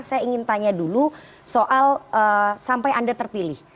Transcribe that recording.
saya ingin tanya dulu soal sampai anda terpilih